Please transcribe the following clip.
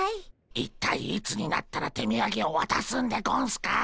一体いつになったら手みやげをわたすんでゴンスか？